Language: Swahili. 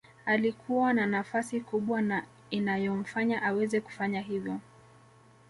Alikuwa na nafasi kubwa na inayomfanya aweze kufanya hivyo